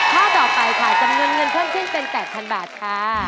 ข้อต่อไปค่ะจำนวนเงินเพิ่มขึ้นเป็น๘๐๐๐บาทค่ะ